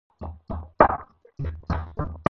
د خاورې زیاته برخه یې په استوایي یا حاره یې سیمه کې ده.